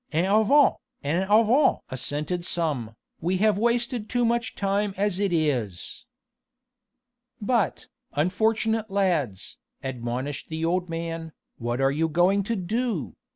en avant! en avant!" assented some, "we have wasted too much time as it is." "But, unfortunate lads," admonished the old man, "what are you going to do?